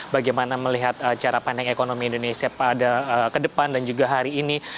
bagaimana melihat cara pandang ekonomi indonesia pada ke depan dan juga hari ini